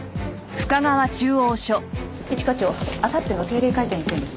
一課長あさっての定例会見の件です。